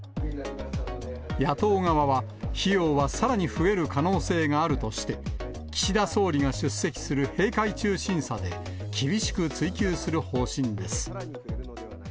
野党側は、費用はさらに増える可能性があるとして、岸田総理が出席する閉会中審査で、厳しく追及する方針です。